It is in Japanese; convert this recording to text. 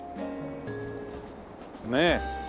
ねえ。